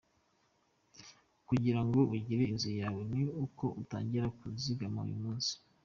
Kugira ngo ugire inzu yawe, ni uko utangira kuzigama uyu munsi.